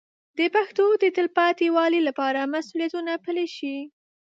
د پښتو د تلپاتې والي لپاره مسوولیتونه پلي شي.